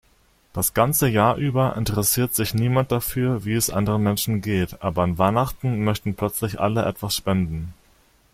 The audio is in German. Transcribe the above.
Das ganze Jahr über interessiert sich niemand dafür, wie es anderen Menschen geht, aber an Weihnachten möchten plötzlich alle etwas spenden.